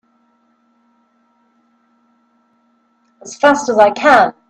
As fast as I can!